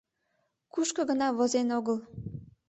Кушко гына возен огыл!